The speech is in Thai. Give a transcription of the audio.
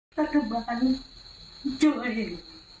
ตัดตะบานเจ้าเอง